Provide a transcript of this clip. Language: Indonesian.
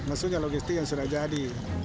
maksudnya logistik yang sudah jadi